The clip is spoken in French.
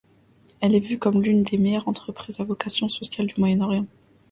Elle est vue comme l'une des meilleures entreprises à vocation sociale du Moyen-Orient.